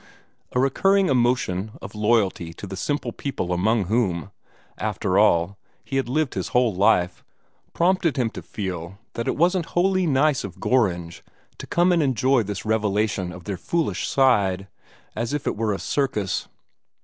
A recurring emotion of loyalty to the simple people among whom, after all, he had lived his whole life, prompted him to feel that it wasn't wholly nice of Gorringe to come and enjoy this revelation of their foolish side, as if it were a circus.